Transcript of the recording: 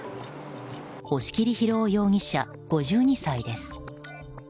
押切裕雄容疑者、５２歳です。